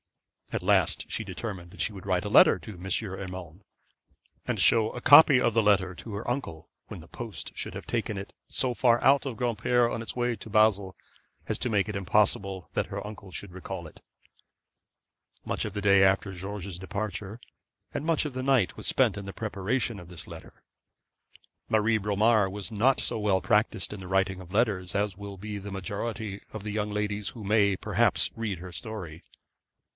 At last she determined that she would write a letter to M. Urmand, and show a copy of the letter to her uncle when the post should have taken it so far out of Granpere on its way to Basle, as to make it impossible that her uncle should recall it. Much of the day after George's departure, and much of the night, was spent in the preparation of this letter. Marie Bromar was not so well practised in the writing of letters as will be the majority of the young ladies who may, perhaps, read her history.